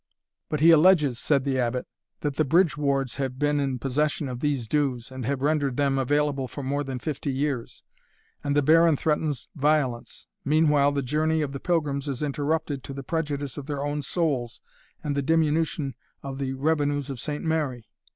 "But he alleges," said the Abbot, "that the bridge wards have been in possession of these dues, and have rendered them available for more than fifty years and the baron threatens violence meanwhile, the journey of the pilgrims is interrupted, to the prejudice of their own souls and the diminution of the revenues of Saint Mary.